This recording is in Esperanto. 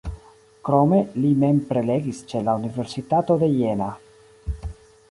Krome li mem prelegis ĉe la Universitato de Jena.